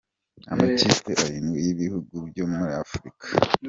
Amakipe arindwi y’ibihugu byo muri Afurika.